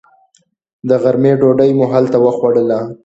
د غرمې ډوډۍ مو هلته وخوړله.